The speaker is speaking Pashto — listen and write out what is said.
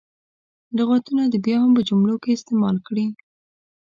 لغتونه دې بیا په جملو کې استعمال کړي.